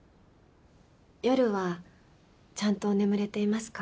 夜はちゃんと眠れていますか？